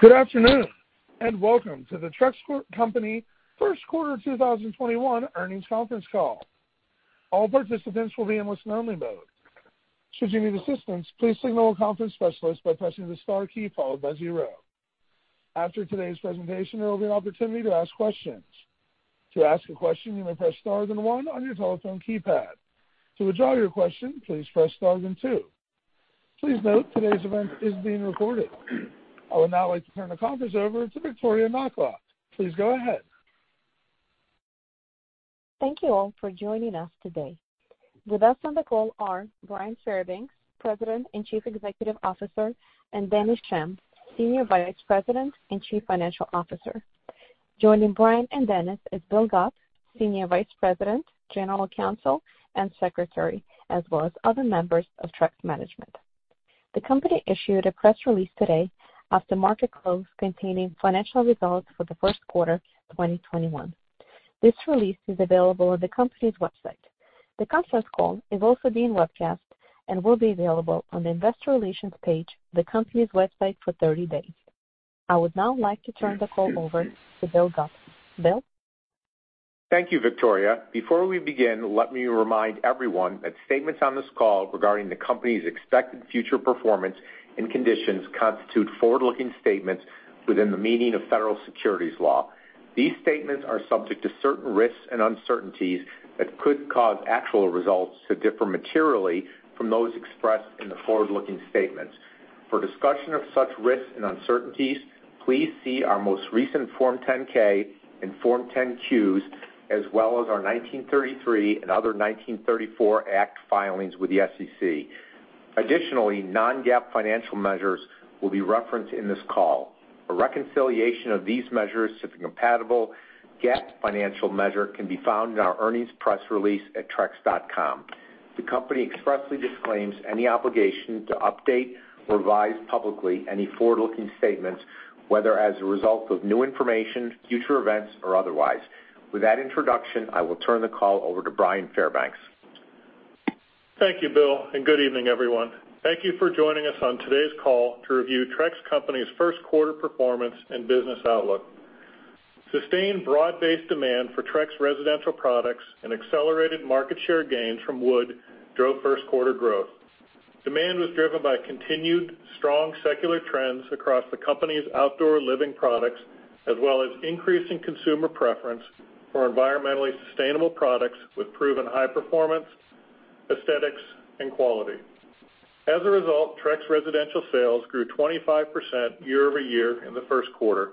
Good afternoon, and welcome to the Trex Company Q1 2021 earnings conference call. All participants will be listen only mode. Should you need assistance please signal the operator by pressing the star then zero. After today's presentation, there will be an opportunity to ask questions. To ask a question, you may press star then one on your telephone keypad. To withdraw your question, please press star then two. Please note today's event is being recorded. I would now like to turn the conference over to Viktoriia Nakhla. Please go ahead. Thank you all for joining us today. With us on the call are Bryan Fairbanks, President and Chief Executive Officer, and Dennis Schemm, Senior Vice President and Chief Financial Officer. Joining Bryan and Dennis is William Gupp, Senior Vice President, General Counsel, and Secretary, as well as other members of Trex management. The company issued a press release today after market close containing financial results for the Q1 2021. This release is available on the company's website. The conference call is also being webcast and will be available on the investor relations page of the company's website for 30 days. I would now like to turn the call over to William Gupp. Bill? Thank you, Viktoriia. Before we begin, let me remind everyone that statements on this call regarding the company's expected future performance and conditions constitute forward-looking statements within the meaning of federal securities law. These statements are subject to certain risks and uncertainties that could cause actual results to differ materially from those expressed in the forward-looking statements. For discussion of such risks and uncertainties, please see our most recent Form 10-K and Form 10-Qs, as well as our 1933 and other 1934 Act filings with the SEC. Additionally, non-GAAP financial measures will be referenced in this call. A reconciliation of these measures to the comparable GAAP financial measure can be found in our earnings press release at trex.com. The company expressly disclaims any obligation to update or revise publicly any forward-looking statements, whether as a result of new information, future events, or otherwise. With that introduction, I will turn the call over to Bryan Fairbanks. Thank you, Bill. Good evening, everyone. Thank you for joining us on today's call to review Trex Company's Q1 performance and business outlook. Sustained broad-based demand for Trex residential products and accelerated market share gains from wood drove Q1 growth. Demand was driven by continued strong secular trends across the company's outdoor living products, as well as increasing consumer preference for environmentally sustainable products with proven high performance, aesthetics, and quality. As a result, Trex residential sales grew 25% year-over-year in the Q1.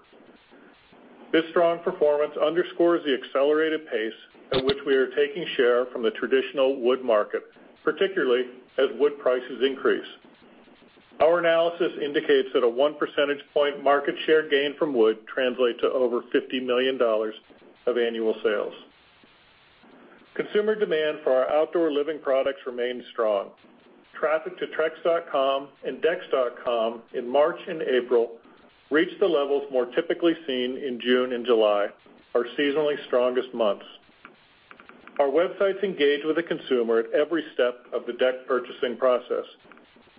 This strong performance underscores the accelerated pace at which we are taking share from the traditional wood market, particularly as wood prices increase. Our analysis indicates that a one percentage point market share gain from wood translates to over $50 million of annual sales. Consumer demand for our outdoor living products remained strong. Traffic to trex.com and decks.com in March and April reached the levels more typically seen in June and July, our seasonally strongest months. Our websites engage with the consumer at every step of the deck purchasing process,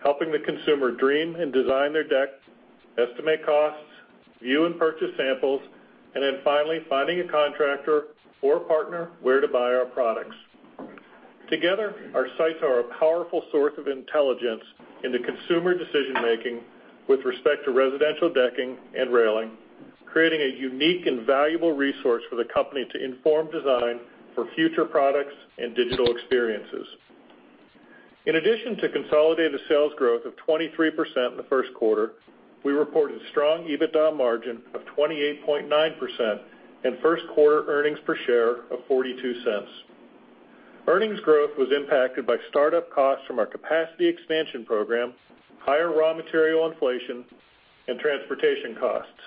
helping the consumer dream and design their deck, estimate costs, view and purchase samples, and then finally, finding a contractor or partner where to buy our products. Together, our sites are a powerful source of intelligence into consumer decision-making with respect to residential decking and railing, creating a unique and valuable resource for the company to inform design for future products and digital experiences. In addition to consolidated sales growth of 23% in the Q1, we reported strong EBITDA margin of 28.9% and first-quarter earnings per share of $0.42. Earnings growth was impacted by startup costs from our capacity expansion program, higher raw material inflation, and transportation costs,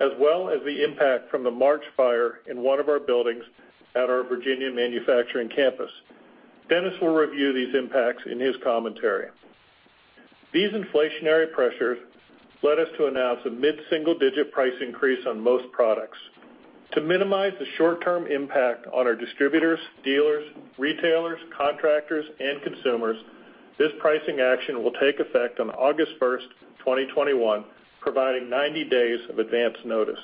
as well as the impact from the March fire in one of our buildings at our Virginia manufacturing campus. Dennis will review these impacts in his commentary. These inflationary pressures led us to announce a mid-single-digit price increase on most products. To minimize the short-term impact on our distributors, dealers, retailers, contractors, and consumers, this pricing action will take effect on August first, 2021, providing 90 days of advance notice.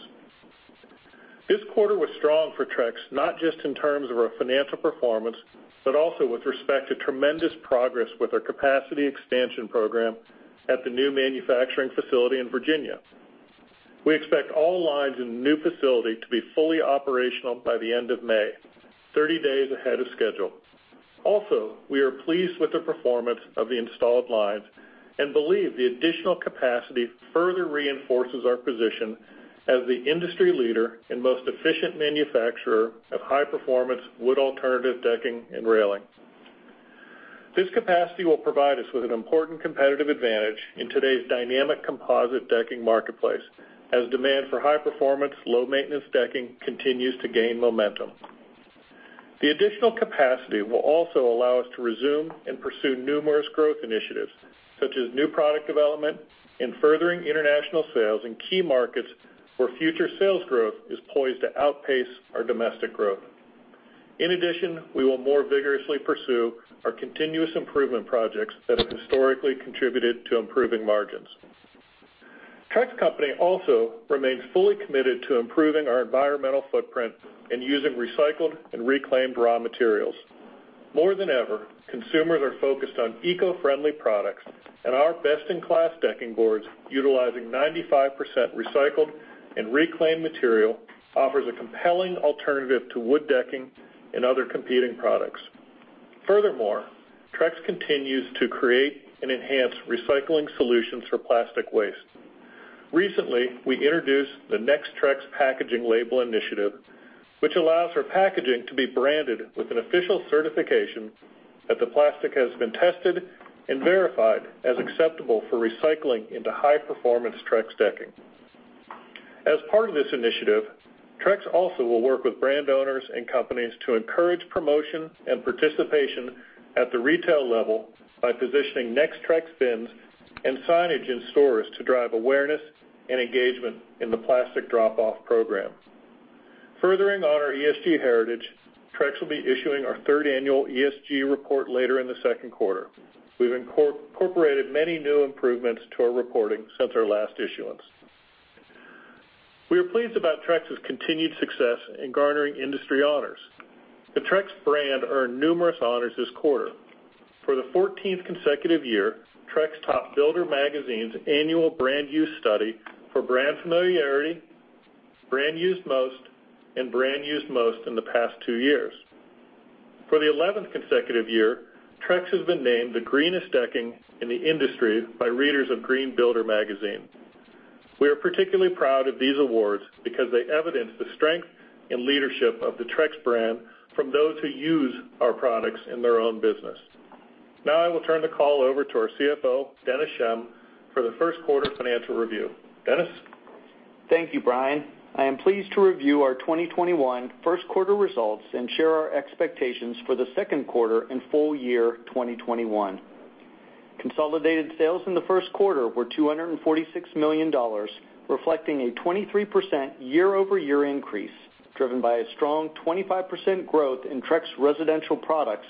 This quarter was strong for Trex, not just in terms of our financial performance, but also with respect to tremendous progress with our capacity expansion program at the new manufacturing facility in Virginia. We expect all lines in the new facility to be fully operational by the end of May, 30 days ahead of schedule. Also, we are pleased with the performance of the installed lines and believe the additional capacity further reinforces our position as the industry leader and most efficient manufacturer of high-performance wood-alternative decking and railing. This capacity will provide us with an important competitive advantage in today's dynamic composite decking marketplace as demand for high-performance, low-maintenance decking continues to gain momentum. The additional capacity will also allow us to resume and pursue numerous growth initiatives, such as new product development and furthering international sales in key markets where future sales growth is poised to outpace our domestic growth. In addition, we will more vigorously pursue our continuous improvement projects that have historically contributed to improving margins. Trex Company also remains fully committed to improving our environmental footprint and using recycled and reclaimed raw materials. More than ever, consumers are focused on eco-friendly products, and our best-in-class Trex decking boards, utilizing 95% recycled and reclaimed material, offers a compelling alternative to wood decking and other competing products. Furthermore, Trex continues to create and enhance recycling solutions for plastic waste. Recently, we introduced the NexTrex packaging label initiative, which allows for packaging to be branded with an official certification that the plastic has been tested and verified as acceptable for recycling into high-performance Trex decking. As part of this initiative, Trex also will work with brand owners and companies to encourage promotion and participation at the retail level by positioning NexTrex bins and signage in stores to drive awareness and engagement in the plastic drop-off program. Furthering on our ESG heritage, Trex will be issuing our third annual ESG report later in the Q2. We've incorporated many new improvements to our reporting since our last issuance. We are pleased about Trex's continued success in garnering industry honors. The Trex brand earned numerous honors this quarter. For the 14th consecutive year, Trex topped Builder Magazine's annual brand use study for brand familiarity, brand used most, and brand used most in the past two years. For the 11th consecutive year, Trex has been named the greenest decking in the industry by readers of Green Builder magazine. We are particularly proud of these awards because they evidence the strength and leadership of the Trex brand from those who use our products in their own business. Now I will turn the call over to our CFO, Dennis Schemm, for the Q1 financial review. Dennis? Thank you, Bryan. I am pleased to review our 2021 Q1 results and share our expectations for the Q2 and full year 2021. Consolidated sales in the Q1 were $246 million, reflecting a 23% year-over-year increase, driven by a strong 25% growth in Trex residential products,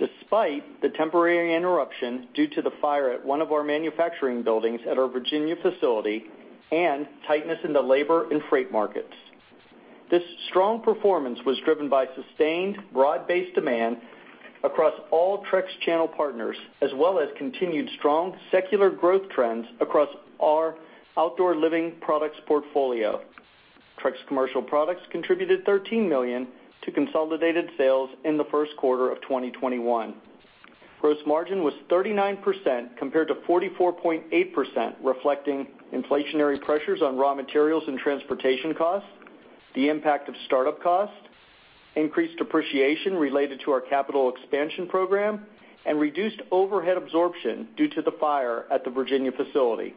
despite the temporary interruption due to the fire at one of our manufacturing buildings at our Virginia facility and tightness in the labor and freight markets. This strong performance was driven by sustained, broad-based demand across all Trex channel partners, as well as continued strong secular growth trends across our outdoor living products portfolio. Trex commercial products contributed $13 million to consolidated sales in the Q1 of 2021. Gross margin was 39% compared to 44.8%, reflecting inflationary pressures on raw materials and transportation costs, the impact of start-up costs, increased depreciation related to our capital expansion program, and reduced overhead absorption due to the fire at the Virginia facility.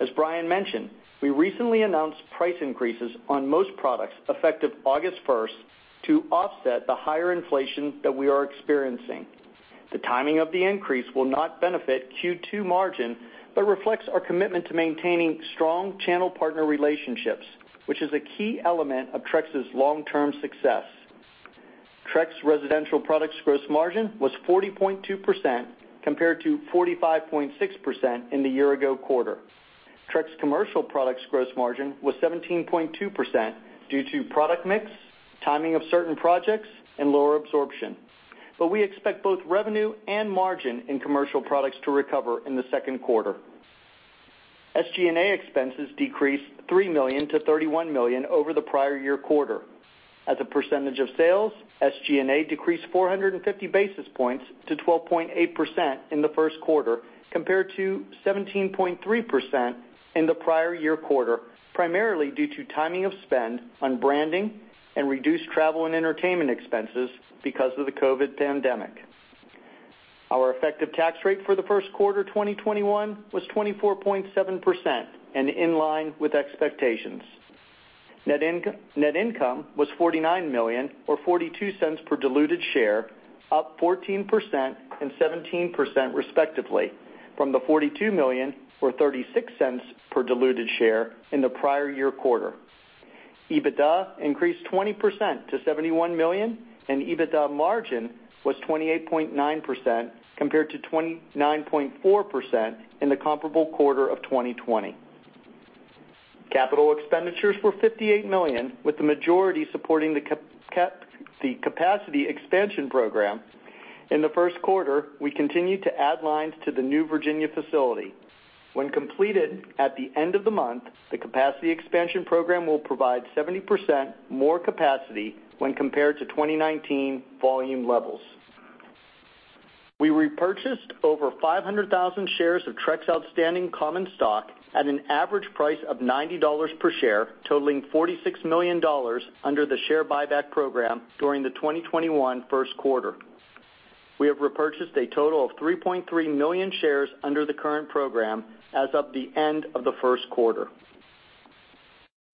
As Bryan mentioned, we recently announced price increases on most products effective August 1st to offset the higher inflation that we are experiencing. The timing of the increase will not benefit Q2 margin, but reflects our commitment to maintaining strong channel partner relationships, which is a key element of Trex's long-term success. Trex residential products gross margin was 40.2% compared to 45.6% in the year ago quarter. Trex commercial products gross margin was 17.2% due to product mix, timing of certain projects, and lower absorption. We expect both revenue and margin in commercial products to recover in the Q2. SG&A expenses decreased $3 million to $31 million over the prior year quarter. As a percentage of sales, SG&A decreased 450 basis points to 12.8% in the Q1, compared to 17.3% in the prior year quarter, primarily due to timing of spend on branding and reduced travel and entertainment expenses because of the COVID pandemic. Our effective tax rate for the Q1 2021 was 24.7% and in line with expectations. Net income was $49 million, or $0.42 per diluted share, up 14% and 17% respectively from the $42 million or $0.36 per diluted share in the prior year quarter. EBITDA increased 20% to $71 million, and EBITDA margin was 28.9% compared to 29.4% in the comparable quarter of 2020. Capital expenditures were $58 million, with the majority supporting the capacity expansion program. In the Q1, we continued to add lines to the new Virginia facility. When completed at the end of the month, the capacity expansion program will provide 70% more capacity when compared to 2019 volume levels. We repurchased over 500,000 shares of Trex outstanding common stock at an average price of $90 per share, totaling $46 million under the share buyback program during the 2021 Q1. We have repurchased a total of 3.3 million shares under the current program as of the end of the Q1.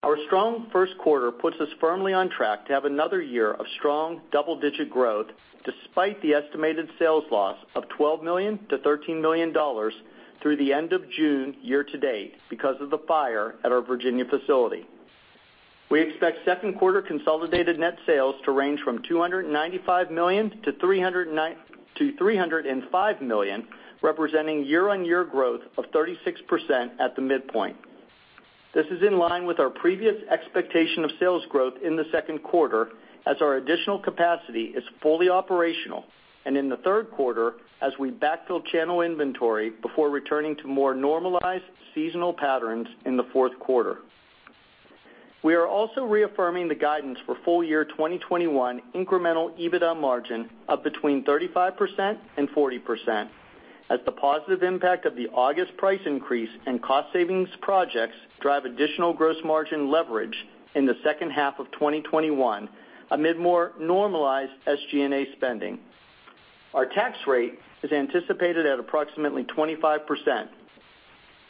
Our strong Q1 puts us firmly on track to have another year of strong double-digit growth, despite the estimated sales loss of $12 million-$13 million through the end of June year to date because of the fire at our Virginia facility. We expect Q2 consolidated net sales to range from $295 million-$305 million, representing year-on-year growth of 36% at the midpoint. This is in line with our previous expectation of sales growth in the Q2 as our additional capacity is fully operational, and in the Q3 as we backfill channel inventory before returning to more normalized seasonal patterns in the Q4. We are also reaffirming the guidance for full year 2021 incremental EBITDA margin of between 35% and 40%, as the positive impact of the August price increase and cost savings projects drive additional gross margin leverage in the H2 of 2021 amid more normalized SG&A spending. Our tax rate is anticipated at approximately 25%.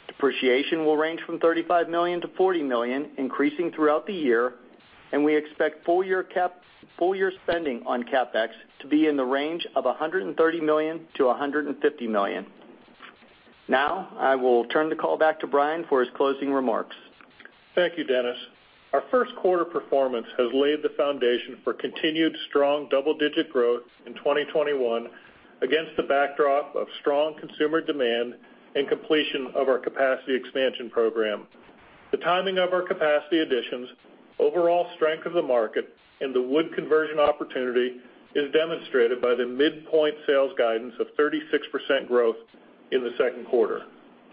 Depreciation will range from $35 million-$40 million, increasing throughout the year, and we expect full year spending on CapEx to be in the range of $130 million-$150 million. Now, I will turn the call back to Bryan for his closing remarks. Thank you, Dennis. Our Q1 performance has laid the foundation for continued strong double-digit growth in 2021 against the backdrop of strong consumer demand and completion of our capacity expansion program. The timing of our capacity additions, overall strength of the market, and the wood conversion opportunity is demonstrated by the midpoint sales guidance of 36% growth in the Q2.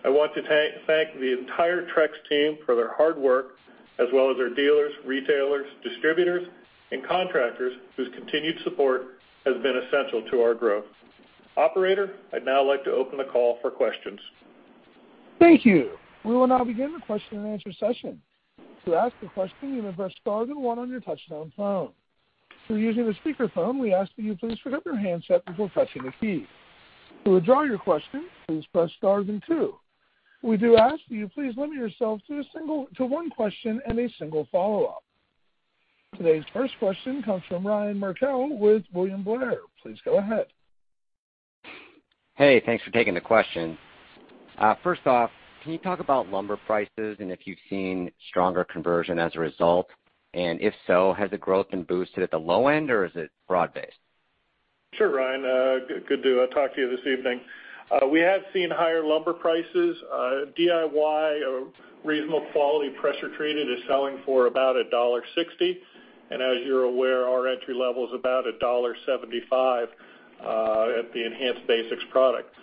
I want to thank the entire Trex team for their hard work as well as our dealers, retailers, distributors, and contractors whose continued support has been essential to our growth. Operator, I'd now like to open the call for questions. Thank you. We will now begin the question and answer session. To ask a question, you may press star then one on your touch-tone phone. If you're using a speakerphone, we ask that you please pick up your handset before pressing the key. To withdraw your question, please press star then two. We do ask that you please limit yourself to one question and a single follow-up. Today's first question comes from Ryan Merkel with William Blair. Please go ahead. Hey, thanks for taking the question. First off, can you talk about lumber prices and if you've seen stronger conversion as a result? If so, has the growth been boosted at the low end, or is it broad-based? Sure, Ryan. Good to talk to you this evening. We have seen higher lumber prices. DIY reasonable quality pressure-treated is selling for about $1.60. As you're aware, our entry level is about $1.75 at the Enhance Basics product.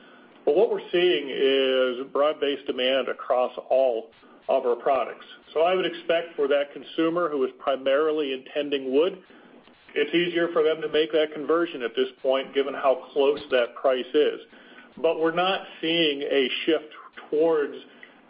What we're seeing is broad-based demand across all of our products. I would expect for that consumer who is primarily intending wood, it's easier for them to make that conversion at this point, given how close that price is. We're not seeing a shift towards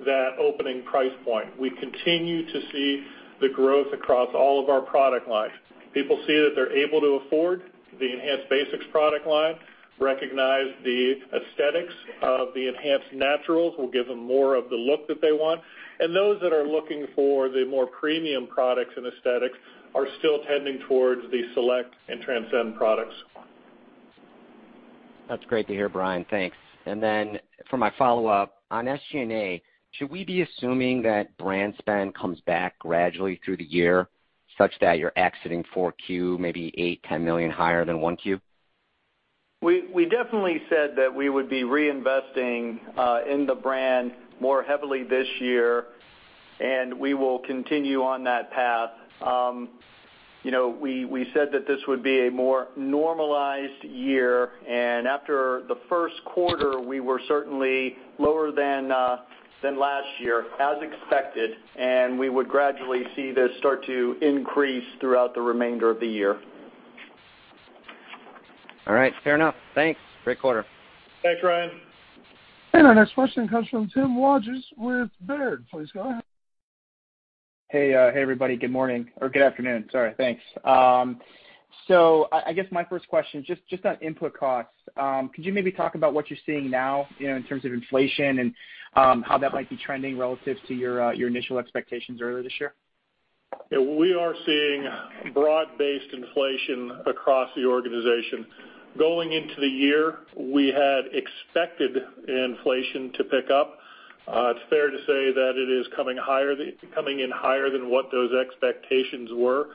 that opening price point. We continue to see the growth across all of our product lines. People see that they're able to afford the Enhance Basics product line, recognize the aesthetics of the Enhance Naturals will give them more of the look that they want, and those that are looking for the more premium products and aesthetics are still tending towards the Select and Transcend products. That's great to hear, Bryan. Thanks. For my follow-up, on SG&A, should we be assuming that brand spend comes back gradually through the year such that you're exiting 4Q maybe $8 million-$10 million higher than Q1? We definitely said that we would be reinvesting in the brand more heavily this year, and we will continue on that path. We said that this would be a more normalized year, and after the Q1, we were certainly lower than last year as expected, and we would gradually see this start to increase throughout the remainder of the year. All right. Fair enough. Thanks. Great quarter. Thanks, Ryan. Our next question comes from Tim Wojs with Baird. Please go ahead. Hey, everybody. Good morning. Or good afternoon, sorry. Thanks. I guess my first question is just on input costs. Could you maybe talk about what you're seeing now in terms of inflation and how that might be trending relative to your initial expectations earlier this year? Yeah. We are seeing broad-based inflation across the organization. Going into the year, we had expected inflation to pick up. It's fair to say that it is coming in higher than what those expectations were.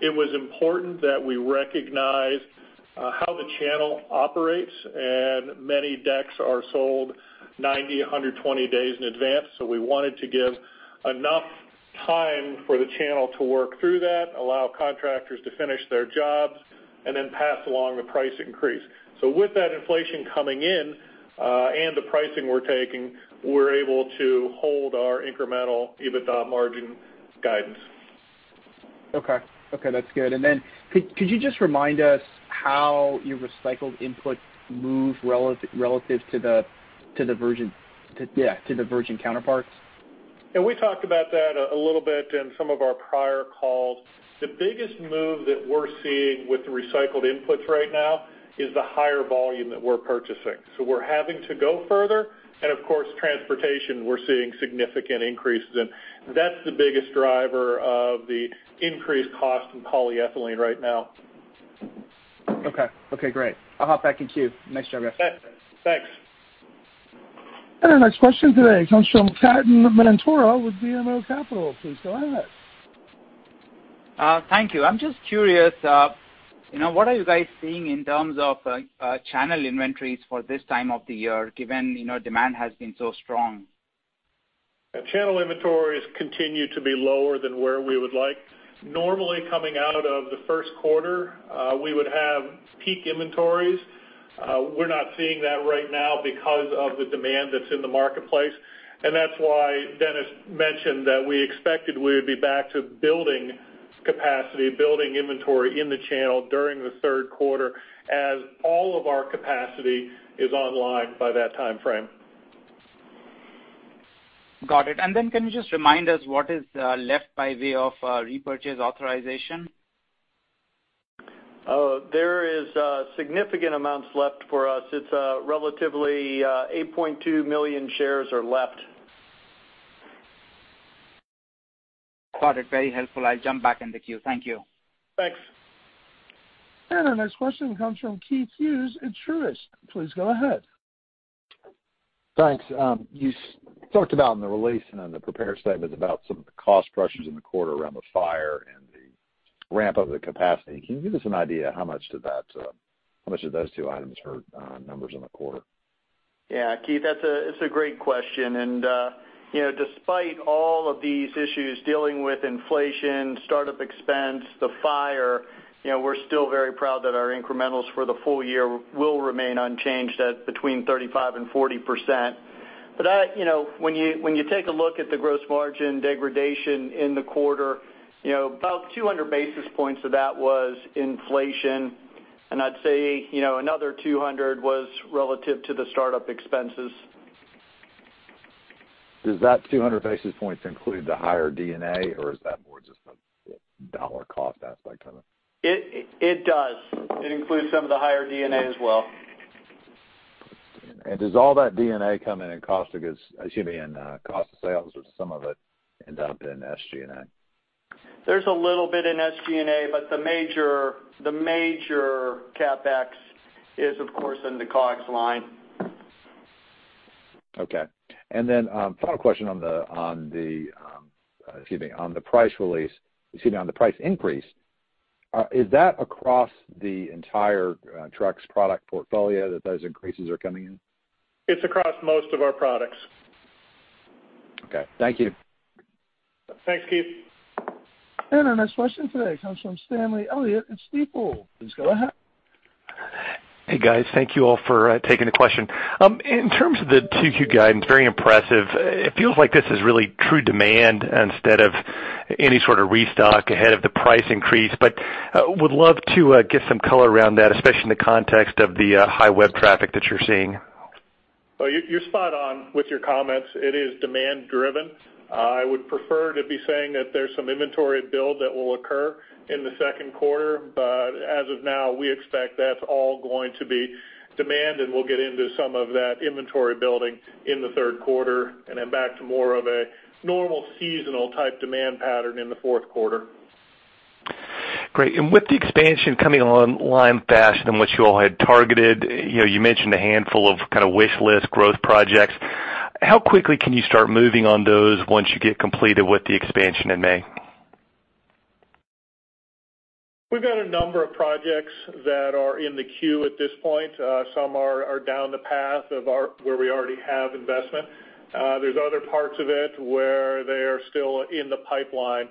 It was important that we recognize how the channel operates, and many decks are sold 90-120 days in advance. We wanted to give enough time for the channel to work through that, allow contractors to finish their jobs, and then pass along the price increase. With that inflation coming in, and the pricing we're taking, we're able to hold our incremental EBITDA margin guidance. Okay. That's good. Could you just remind us how your recycled inputs move relative to the virgin counterparts? Yeah, we talked about that a little bit in some of our prior calls. The biggest move that we're seeing with the recycled inputs right now is the higher volume that we're purchasing. We're having to go further, and of course, transportation, we're seeing significant increases. That's the biggest driver of the increased cost in polyethylene right now. Okay, great. I'll hop back in queue. Nice job, guys. Thanks. Our next question today comes from Ketan Mamtora with BMO Capital. Please go ahead. Thank you. I'm just curious, what are you guys seeing in terms of channel inventories for this time of the year, given demand has been so strong? Channel inventories continue to be lower than where we would like. Normally coming out of the Q1, we would have peak inventories. We're not seeing that right now because of the demand that's in the marketplace. That's why Dennis mentioned that we expected we would be back to building capacity, building inventory in the channel during the Q3 as all of our capacity is online by that timeframe. Got it. Can you just remind us what is left by way of repurchase authorization? There is significant amounts left for us. It's relatively 8.2 million shares are left. Got it. Very helpful. I'll jump back in the queue. Thank you. Thanks. Our next question comes from Keith Hughes at Truist. Please go ahead. Thanks. You talked about in the release and in the prepared statements about some of the cost pressures in the quarter around the fire and the ramp up of the capacity. Can you give us an idea how much did those two items hurt numbers in the quarter? Yeah, Keith, it's a great question, and despite all of these issues dealing with inflation, startup expense, the fire, we're still very proud that our incrementals for the full year will remain unchanged at between 35% and 40%. When you take a look at the gross margin degradation in the quarter, about 200 basis points of that was inflation, and I'd say another 200 was relative to the startup expenses. Does that 200 basis points include the higher D&A, or is that more just a dollar cost aspect of it? It does. It includes some of the higher D&A as well. Does all that D&A come in cost of sales, or does some of it end up in SG&A? There's a little bit in SG&A, but the major CapEx is, of course, in the COGS line. Okay. Final question on the price increase, is that across the entire Trex product portfolio that those increases are coming in? It's across most of our products. Okay. Thank you. Thanks, Keith. Our next question today comes from Stanley Elliott at Stifel. Please go ahead. Hey, guys. Thank you all for taking the question. In terms of the Q2 guidance, very impressive. It feels like this is really true demand instead of any sort of restock ahead of the price increase, but would love to get some color around that, especially in the context of the high web traffic that you're seeing. Well, you're spot on with your comments. It is demand driven. I would prefer to be saying that there's some inventory build that will occur in the Q2. As of now, we expect that's all going to be demand. We'll get into some of that inventory building in the Q3. Then back to more of a normal seasonal type demand pattern in the Q4. Great. With the expansion coming online faster than what you all had targeted, you mentioned a handful of kind of wish list growth projects. How quickly can you start moving on those once you get completed with the expansion in May? We've got a number of projects that are in the queue at this point. Some are down the path of where we already have investment. There's other parts of it where they are still in the pipeline.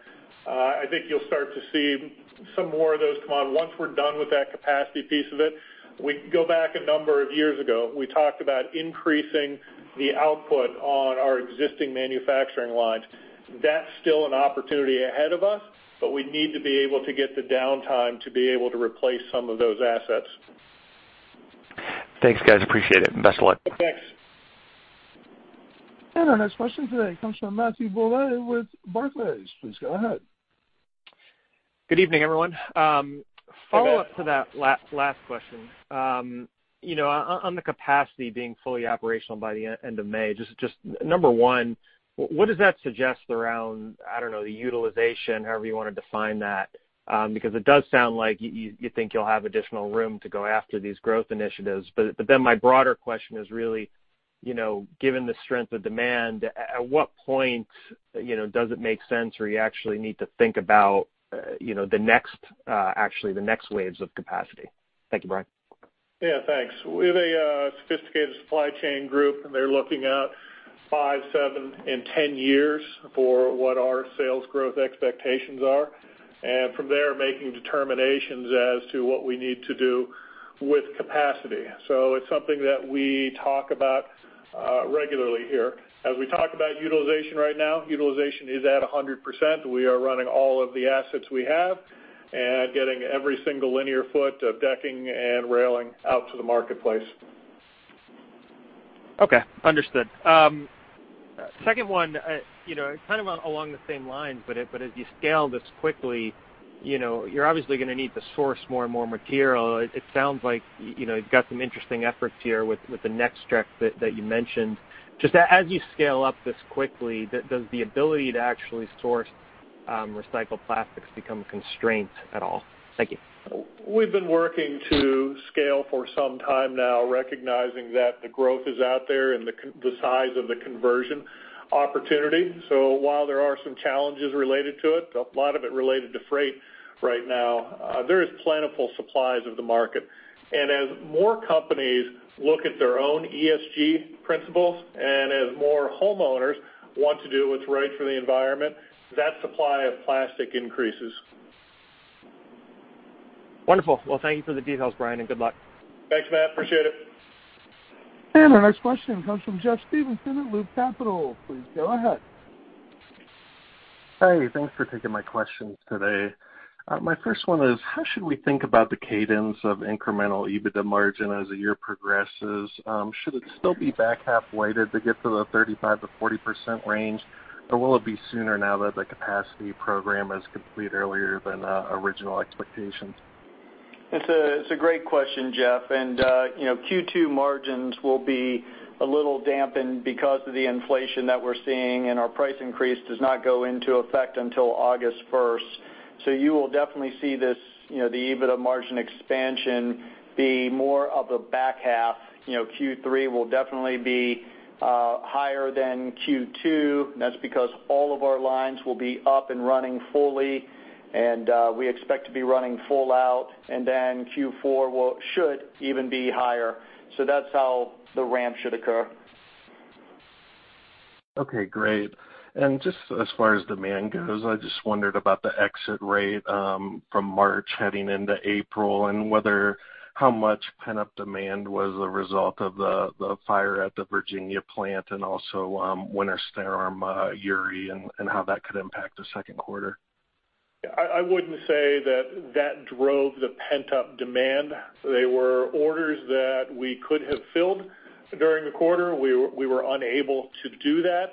I think you'll start to see some more of those come on once we're done with that capacity piece of it. We can go back a number of years ago. We talked about increasing the output on our existing manufacturing lines. That's still an opportunity ahead of us, but we need to be able to get the downtime to be able to replace some of those assets. Thanks, guys. Appreciate it. Best of luck. Thanks. Our next question today comes from Matthew Bouley with Barclays. Please go ahead. Good evening, everyone. Hey, Matt. Follow-up to that last question. On the capacity being fully operational by the end of May, just number one, what does that suggest around, I don't know, the utilization, however you want to define that? It does sound like you think you'll have additional room to go after these growth initiatives. My broader question is really, given the strength of demand, at what point does it make sense where you actually need to think about the next waves of capacity? Thank you, Bryan. Yeah, thanks. We have a sophisticated supply chain group, and they're looking out five, seven, and 10 years for what our sales growth expectations are, and from there, making determinations as to what we need to do with capacity. It's something that we talk about regularly here. As we talk about utilization right now, utilization is at 100%. We are running all of the assets we have and getting every single linear foot of decking and railing out to the marketplace. Okay. Understood. Second one, kind of along the same lines, as you scale this quickly, you're obviously going to need to source more and more material. It sounds like you've got some interesting efforts here with the NexTrex that you mentioned. Just as you scale up this quickly, does the ability to actually source recycled plastics become a constraint at all? Thank you. We've been working to scale for some time now, recognizing that the growth is out there and the size of the conversion opportunity. While there are some challenges related to it, a lot of it related to freight right now, there is plentiful supplies of the market. As more companies look at their own ESG principles, and as more homeowners want to do what's right for the environment, that supply of plastic increases. Wonderful. Well, thank you for the details, Bryan, and good luck. Thanks, Matt. Appreciate it. Our next question comes from Jeffrey Stevenson at Loop Capital. Please go ahead. Hey, thanks for taking my questions today. My first one is, how should we think about the cadence of incremental EBITDA margin as the year progresses? Should it still be back half-weighted to get to the 35%-40% range, or will it be sooner now that the capacity program is complete earlier than original expectations? It's a great question, Jeff. Q2 margins will be a little dampened because of the inflation that we're seeing. Our price increase does not go into effect until August 1st, so you will definitely see the EBITDA margin expansion be more of a back half. Q3 will definitely be higher than Q2, that's because all of our lines will be up and running fully, and we expect to be running full out. Q4 should even be higher. That's how the ramp should occur. Okay, great. Just as far as demand goes, I just wondered about the exit rate from March heading into April, and how much pent-up demand was a result of the fire at the Virginia plant and also Winter Storm Uri, and how that could impact the Q2. I wouldn't say that that drove the pent-up demand. They were orders that we could have filled during the quarter. We were unable to do that.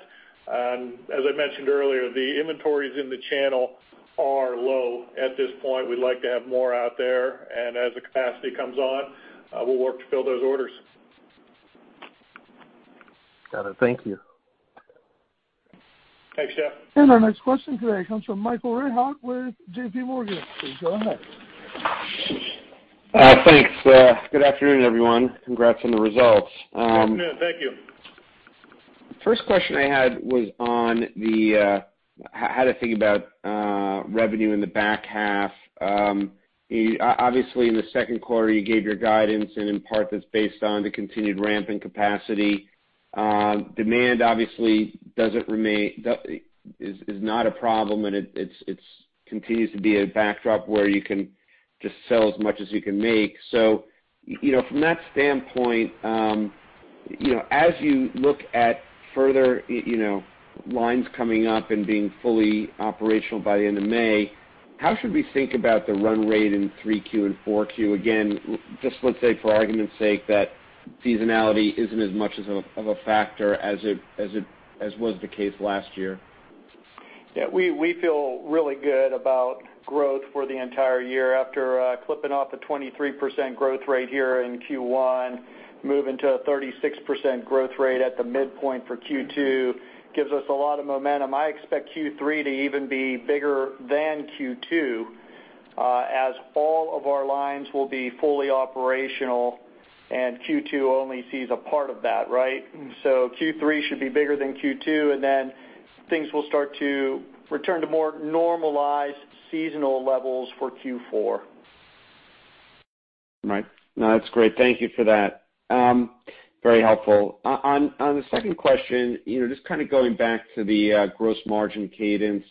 As I mentioned earlier, the inventories in the channel are low at this point. We'd like to have more out there, and as the capacity comes on, we'll work to fill those orders. Got it. Thank you. Thanks, Jeffrey. Our next question today comes from Michael Rehaut with JPMorgan. Please go ahead. Thanks. Good afternoon, everyone. Congrats on the results. Good afternoon. Thank you. First question I had was on how to think about revenue in the back half. Obviously, in the Q2, you gave your guidance, and in part, that's based on the continued ramp in capacity. Demand obviously is not a problem, and it continues to be a backdrop where you can just sell as much as you can make. From that standpoint, as you look at further lines coming up and being fully operational by the end of May, how should we think about the run rate in Q3 and Q4? Again, just let's say for argument's sake that seasonality isn't as much of a factor as was the case last year. We feel really good about growth for the entire year after clipping off a 23% growth rate here in Q1, moving to a 36% growth rate at the midpoint for Q2 gives us a lot of momentum. I expect Q3 to even be bigger than Q2, as all of our lines will be fully operational, and Q2 only sees a part of that, right? Q3 should be bigger than Q2, and then things will start to return to more normalized seasonal levels for Q4. Right. No, that's great. Thank you for that. Very helpful. On the second question, just kind of going back to the gross margin cadence,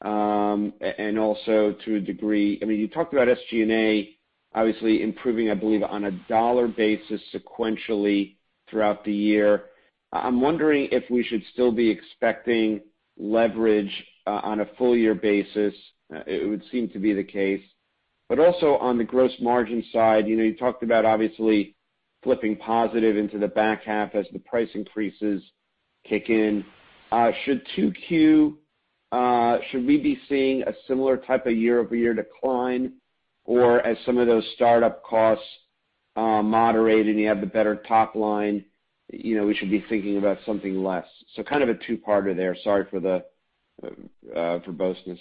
and also to a degree, you talked about SG&A obviously improving, I believe, on a dollar basis sequentially throughout the year. I'm wondering if we should still be expecting leverage on a full year basis. It would seem to be the case. Also on the gross margin side, you talked about obviously flipping positive into the back half as the price increases kick in. Should we be seeing a similar type of year-over-year decline? As some of those startup costs moderate and you have the better top line, we should be thinking about something less. Kind of a two-parter there. Sorry for the verboseness.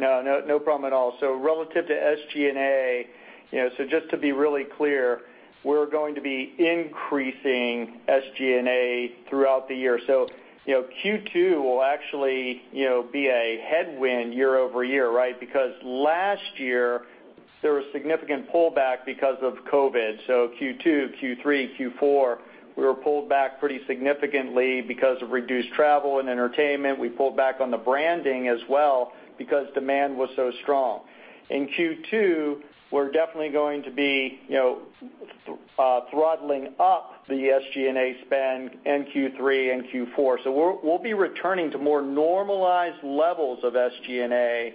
No, no problem at all. Relative to SG&A, just to be really clear, we're going to be increasing SG&A throughout the year. Q2 will actually be a headwind year-over-year, right? Because last year there was significant pullback because of COVID. Q2, Q3, Q4, we were pulled back pretty significantly because of reduced travel and entertainment. We pulled back on the branding as well because demand was so strong. In Q2, we're definitely going to be throttling up the SG&A spend in Q3 and Q4. We'll be returning to more normalized levels of SG&A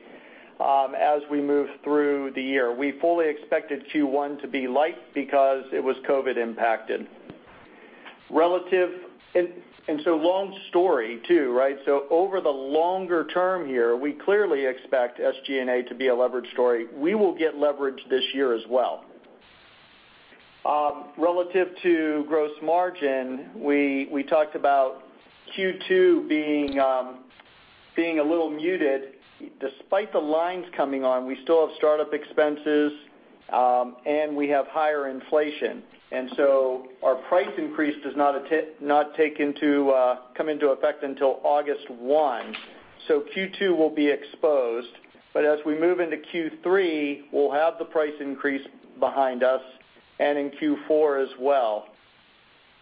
as we move through the year. We fully expected Q1 to be light because it was COVID impacted. Long story too, right? Over the longer term here, we clearly expect SG&A to be a leverage story. We will get leverage this year as well. Relative to gross margin, we talked about Q2 being a little muted. Despite the lines coming on, we still have startup expenses, and we have higher inflation. Our price increase does not come into effect until August 1. Q2 will be exposed, but as we move into Q3, we'll have the price increase behind us, and in Q4 as well.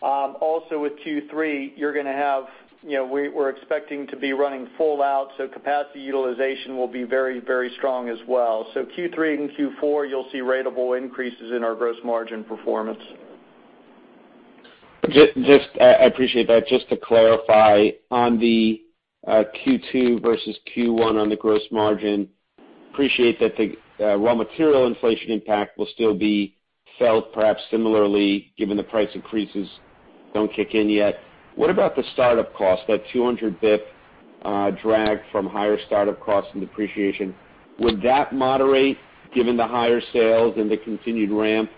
Also with Q3, we're expecting to be running full out, capacity utilization will be very strong as well. Q3 and Q4, you'll see ratable increases in our gross margin performance. I appreciate that. Just to clarify, on the Q2 versus Q1 on the gross margin, appreciate that the raw material inflation impact will still be felt, perhaps similarly, given the price increases don't kick in yet. What about the startup cost, that 200 bip drag from higher startup costs and depreciation? Would that moderate given the higher sales and the continued ramp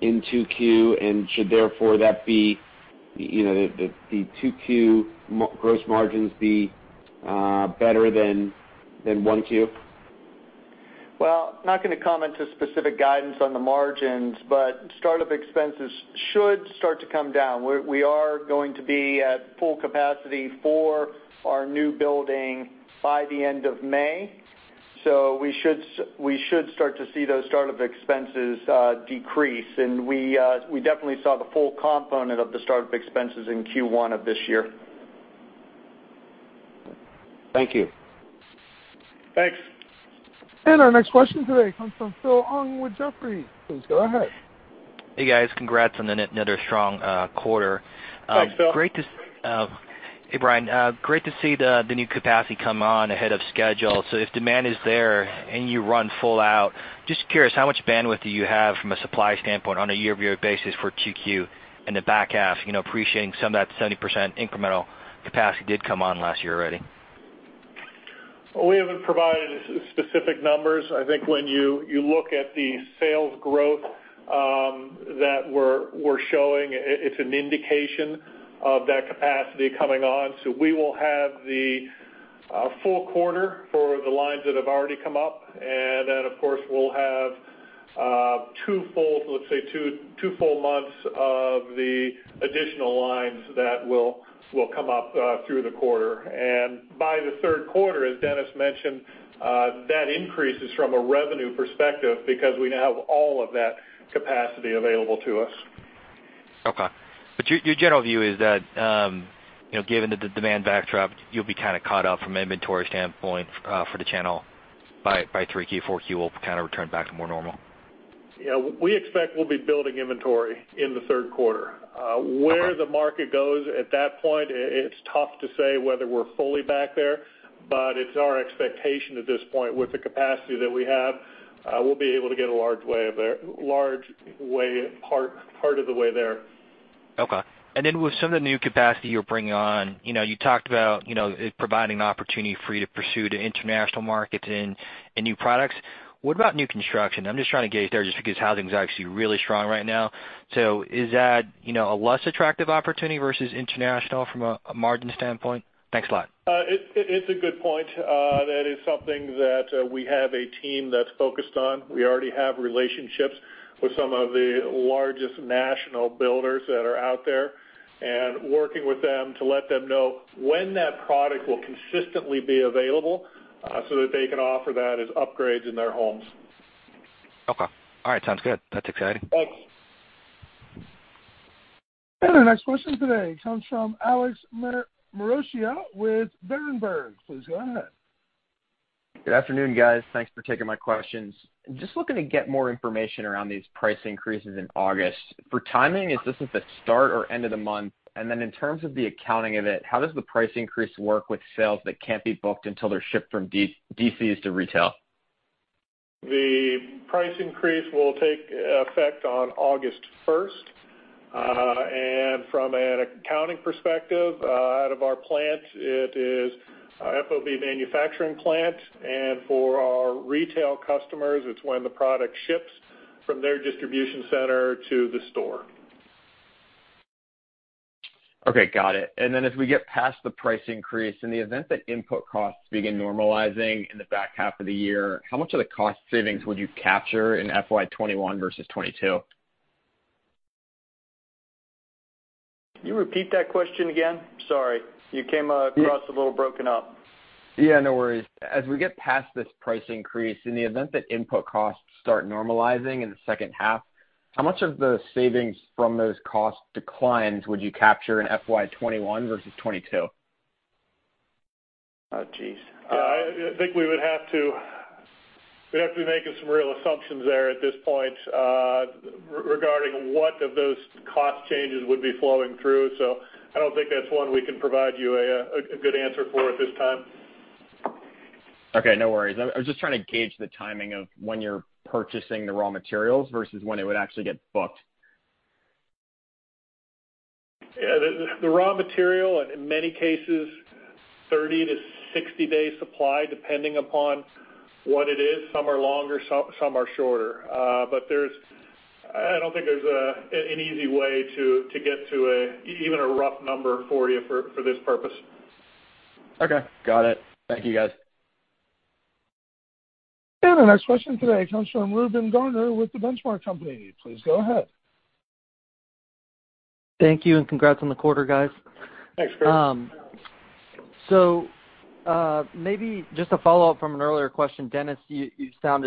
in Q2, and should therefore the Q2 gross margins be better than Q1? Well, I'm not going to comment to specific guidance on the margins, startup expenses should start to come down. We are going to be at full capacity for our new building by the end of May. We should start to see those startup expenses decrease. We definitely saw the full component of the startup expenses in Q1 of this year. Thank you. Thanks. Our next question today comes from Phil Ng with Jefferies. Please go ahead. Hey, guys. Congrats on another strong quarter. Thanks, Phil. Hey, Bryan. Great to see the new capacity come on ahead of schedule. If demand is there, and you run full out, just curious, how much bandwidth do you have from a supply standpoint on a year-over-year basis for 2Q in the back half, appreciating some of that 70% incremental capacity did come on last year already? We haven't provided specific numbers. I think when you look at the sales growth that we're showing, it's an indication of that capacity coming on. We will have the full quarter for the lines that have already come up. Of course, we'll have two full months of the additional lines that will come up through the quarter. By the Q3, as Dennis mentioned, that increases from a revenue perspective because we now have all of that capacity available to us. Okay. Your general view is that, given the demand backdrop, you'll be kind of caught up from an inventory standpoint for the channel by 3Q, 4Q, we'll kind of return back to more normal? Yeah, we expect we'll be building inventory in the Q3. Okay. Where the market goes at that point, it's tough to say whether we're fully back there, but it's our expectation at this point with the capacity that we have, we'll be able to get a large part of the way there. Okay. With some of the new capacity you're bringing on, you talked about it providing opportunity for you to pursue the international markets and new products. What about new construction? I'm just trying to gauge there just because housing is actually really strong right now. Is that a less attractive opportunity versus international from a margin standpoint? Thanks a lot. It's a good point. That is something that we have a team that's focused on. We already have relationships with some of the largest national builders that are out there, and working with them to let them know when that product will consistently be available, so that they can offer that as upgrades in their homes. Okay. All right. Sounds good. That's exciting. Thanks. Our next question today comes from Alex Maroccia with Berenberg. Please go ahead. Good afternoon, guys. Thanks for taking my questions. Just looking to get more information around these price increases in August. For timing, is this at the start or end of the month? In terms of the accounting of it, how does the price increase work with sales that can't be booked until they're shipped from DCs to retail? The price increase will take effect on August 1st. From an accounting perspective, out of our plant, it is FOB manufacturing plant. For our retail customers, it's when the product ships from their distribution center to the store. Okay. Got it. As we get past the price increase, in the event that input costs begin normalizing in the back half of the year, how much of the cost savings would you capture in FY 2021 versus 2022? Can you repeat that question again? Sorry. You came across a little broken up. Yeah, no worries. As we get past this price increase, in the event that input costs start normalizing in the H2, how much of the savings from those cost declines would you capture in FY 2021 versus 2022? Oh, jeez. I think we'd have to be making some real assumptions there at this point regarding what of those cost changes would be flowing through. I don't think that's one we can provide you a good answer for at this time. No worries. I was just trying to gauge the timing of when you are purchasing the raw materials versus when it would actually get booked. Yeah, the raw material, in many cases, 30-60-day supply, depending upon what it is. Some are longer, some are shorter. I don't think there's an easy way to get to even a rough number for you for this purpose. Okay. Got it. Thank you, guys. Our next question today comes from Reuben Garner with The Benchmark Company. Please go ahead. Thank you. Congrats on the quarter, guys. Thanks, Reuben. Maybe just a follow-up from an earlier question. Dennis, it sounds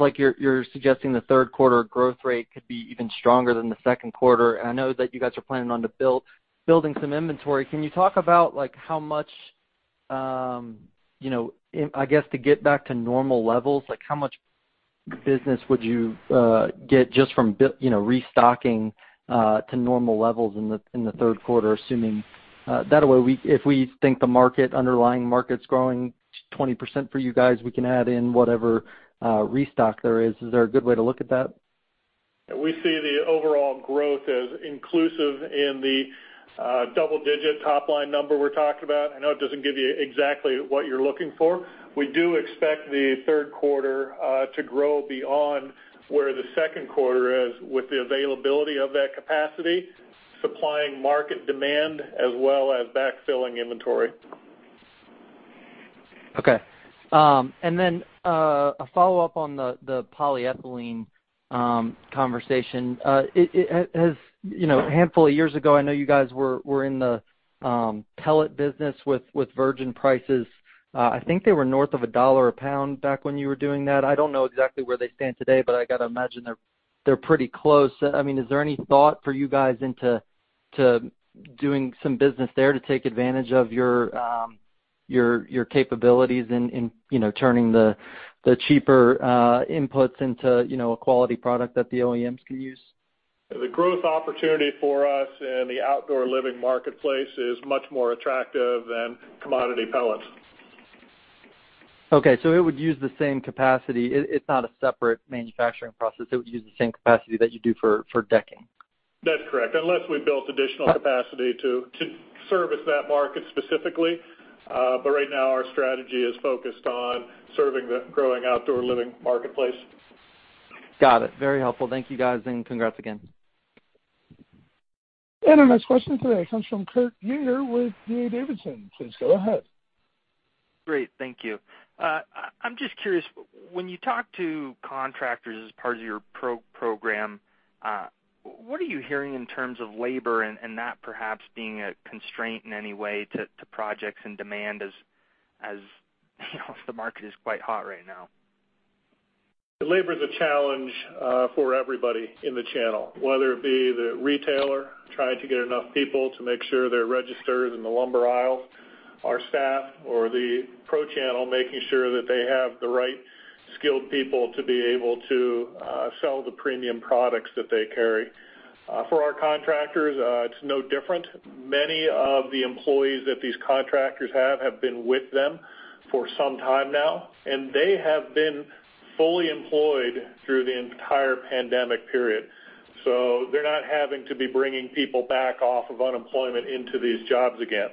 like you're suggesting the Q3 growth rate could be even stronger than the Q2, and I know that you guys are planning on building some inventory. Can you talk about how much, I guess, to get back to normal levels, how much business would you get just from restocking to normal levels in the Q3? Assuming, that way, if we think the underlying market's growing 20% for you guys, we can add in whatever restock there is. Is there a good way to look at that? We see the overall growth as inclusive in the double-digit top-line number we're talking about. I know it doesn't give you exactly what you're looking for. We do expect the Q3 to grow beyond where the Q2 is with the availability of that capacity, supplying market demand, as well as backfilling inventory. Okay. A follow-up on the polyethylene conversation. A handful of years ago, I know you guys were in the pellet business with virgin prices. I think they were north of $1 a pound back when you were doing that. I don't know exactly where they stand today, but I got to imagine they're pretty close. Is there any thought for you guys into doing some business there to take advantage of your capabilities in turning the cheaper inputs into a quality product that the OEMs can use? The growth opportunity for us in the outdoor living marketplace is much more attractive than commodity pellets. Okay, it would use the same capacity. It's not a separate manufacturing process. It would use the same capacity that you do for decking. That's correct, unless we built additional capacity to service that market specifically. Right now, our strategy is focused on serving the growing outdoor living marketplace. Got it. Very helpful. Thank you, guys, and congrats again. Our next question today comes from Kurt Yinger with D.A. Davidson. Please go ahead. Great. Thank you. I'm just curious, when you talk to contractors as part of your pro program, what are you hearing in terms of labor and that perhaps being a constraint in any way to projects and demand, as the market is quite hot right now? The labor is a challenge for everybody in the channel, whether it be the retailer trying to get enough people to make sure they're registered in the lumber aisle, our staff, or the pro channel, making sure that they have the right skilled people to be able to sell the premium products that they carry. For our contractors, it's no different. Many of the employees that these contractors have been with them for some time now, and they have been fully employed through the entire pandemic period. They're not having to be bringing people back off of unemployment into these jobs again.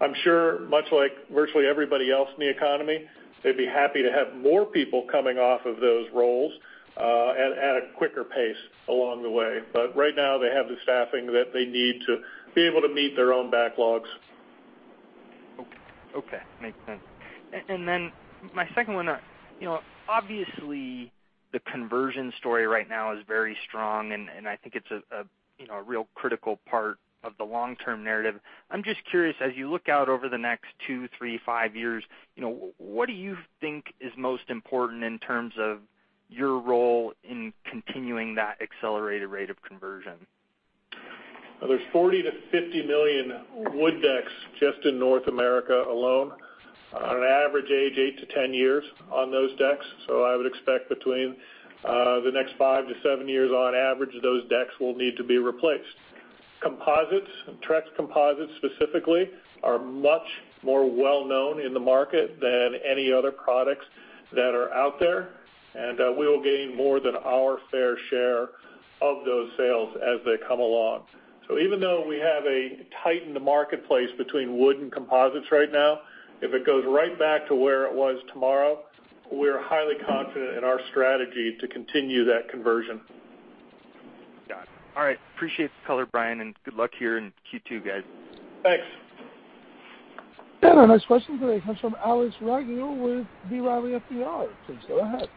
I'm sure, much like virtually everybody else in the economy, they'd be happy to have more people coming off of those roles at a quicker pace along the way. Right now, they have the staffing that they need to be able to meet their own backlogs. Okay. Makes sense. My second one, obviously, the conversion story right now is very strong, and I think it's a real critical part of the long-term narrative. I'm just curious, as you look out over the next two, three, five years, what do you think is most important in terms of your role in continuing that accelerated rate of conversion? There are 40 million-50 million wood decks just in North America alone. On average, age 8-10 years on those decks. I would expect between the next five to seven years, on average, those decks will need to be replaced. Composites, and Trex composites specifically, are much more well-known in the market than any other products that are out there, and we will gain more than our fair share of those sales as they come along. Even though we have a tightened marketplace between wood and composites right now, if it goes right back to where it was tomorrow, we're highly confident in our strategy to continue that conversion. Got it. All right. Appreciate the color, Bryan, and good luck here in Q2, guys. Thanks. Our next question today comes from Alex Rygiel with B. Riley FBR. Please go ahead.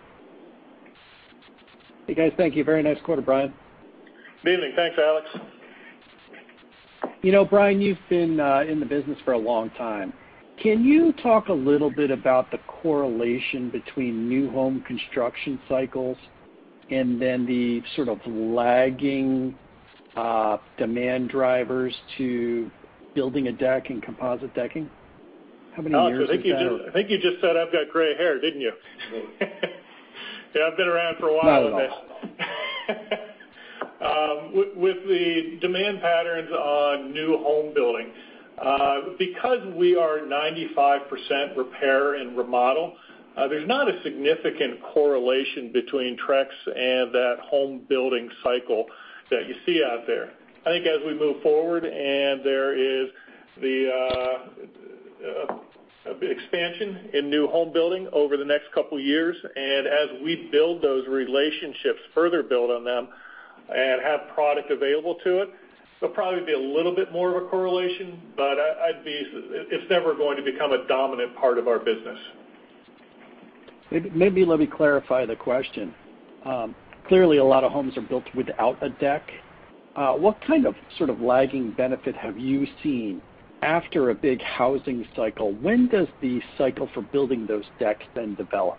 Hey, guys. Thank you. Very nice quarter, Bryan. Good evening. Thanks, Alex. Bryan, you've been in the business for a long time. Can you talk a little bit about the correlation between new home construction cycles and then the sort of lagging demand drivers to building a deck and composite decking? How many years is that? Alex, I think you just said I've got gray hair, didn't you? Yeah, I've been around for a while. Not at all. With the demand patterns on new home building, because we are 95% repair and remodel, there's not a significant correlation between Trex and that home building cycle that you see out there. I think as we move forward, there is the expansion in new home building over the next couple of years, and as we build those relationships, further build on them and have product available to it, there'll probably be a little bit more of a correlation. It's never going to become a dominant part of our business. Maybe let me clarify the question. Clearly, a lot of homes are built without a deck. What kind of lagging benefit have you seen after a big housing cycle? When does the cycle for building those decks then develop?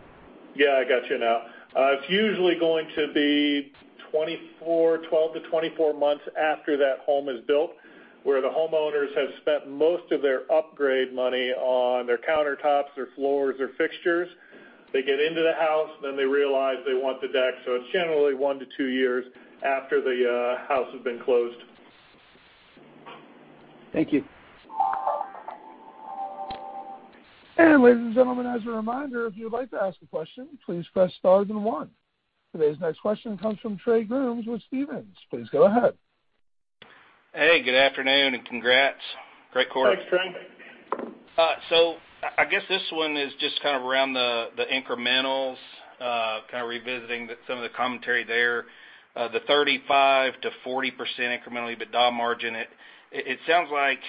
Yeah, I got you now. It's usually going to be 12-24 months after that home is built, where the homeowners have spent most of their upgrade money on their countertops, their floors, their fixtures. They get into the house, then they realize they want the deck. It's generally one to two years after the house has been closed. Thank you. Ladies and gentlemen, as a reminder, if you would like to ask a question, please press star then one. Today's next question comes from Trey Grooms with Stephens. Please go ahead. Hey, good afternoon and congrats. Great quarter. Thanks, Trey. I guess this one is just around the incrementals, revisiting some of the commentary there. The 35%-40% incremental EBITDA margin, it sounds like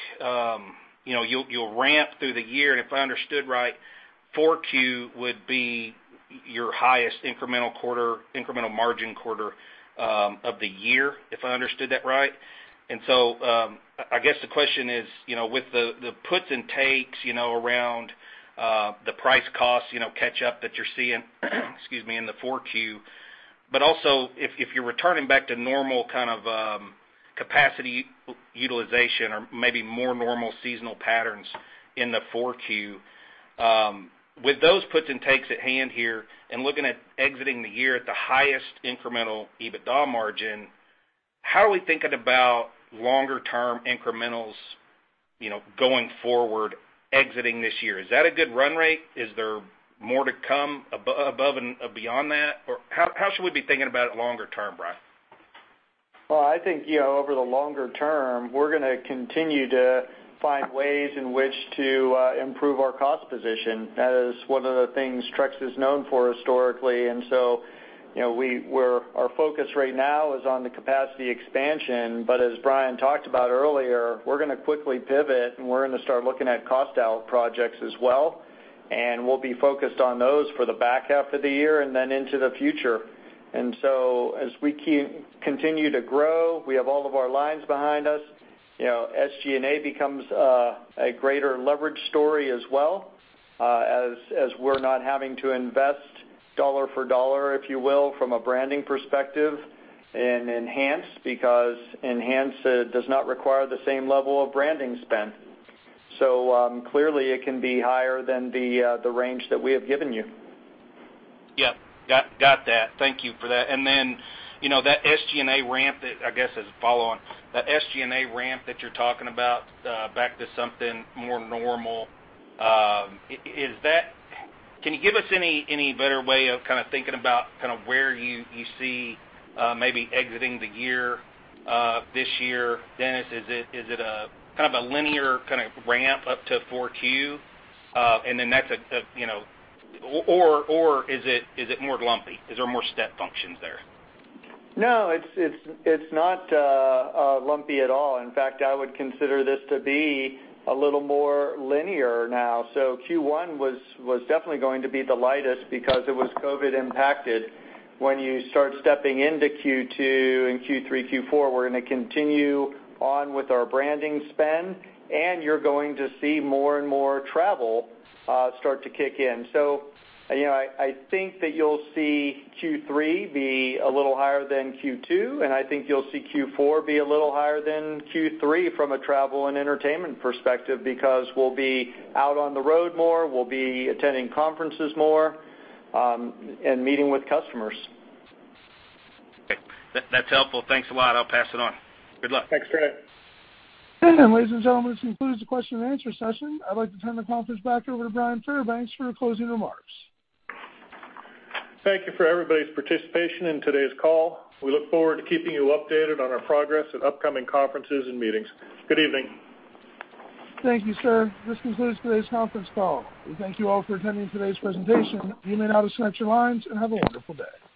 you'll ramp through the year, and if I understood right, Q4 would be your highest incremental margin quarter of the year, if I understood that right. I guess the question is, with the puts and takes around the price costs catch up that you're seeing in the Q4, but also if you're returning back to normal capacity utilization or maybe more normal seasonal patterns in the Q4 with those puts and takes at hand here and looking at exiting the year at the highest incremental EBITDA margin, how are we thinking about longer term incrementals going forward exiting this year? Is that a good run rate? Is there more to come above and beyond that? How should we be thinking about it longer term, Bryan? I think over the longer term, we're going to continue to find ways in which to improve our cost position. That is one of the things Trex is known for historically. Our focus right now is on the capacity expansion, but as Bryan talked about earlier, we're going to quickly pivot and we're going to start looking at cost out projects as well, and we'll be focused on those for the back half of the year and then into the future. As we continue to grow, we have all of our lines behind us. SG&A becomes a greater leverage story as well, as we're not having to invest dollar for dollar, if you will, from a branding perspective in Enhance, because Enhance does not require the same level of branding spend. Clearly it can be higher than the range that we have given you. Yep. Got that. Thank you for that. That SG&A ramp that, I guess, as a follow-on, that SG&A ramp that you're talking about back to something more normal, can you give us any better way of thinking about where you see maybe exiting the year this year, Dennis? Is it a linear ramp up to Q4 or is it more lumpy? Is there more step functions there? No, it's not lumpy at all. In fact, I would consider this to be a little more linear now. Q1 was definitely going to be the lightest because it was COVID impacted. When you start stepping into Q2 and Q3, Q4, we're going to continue on with our branding spend, and you're going to see more and more travel start to kick in. I think that you'll see Q3 be a little higher than Q2, and I think you'll see Q4 be a little higher than Q3 from a travel and entertainment perspective, because we'll be out on the road more, we'll be attending conferences more, and meeting with customers. Okay. That's helpful. Thanks a lot. I'll pass it on. Good luck. Thanks, Trey. Ladies and gentlemen, this concludes the question and answer session. I'd like to turn the conference back over to Bryan Fairbanks for closing remarks. Thank you for everybody's participation in today's call. We look forward to keeping you updated on our progress at upcoming conferences and meetings. Good evening. Thank you, sir. This concludes today's conference call. We thank you all for attending today's presentation. You may now disconnect your lines, and have a wonderful day.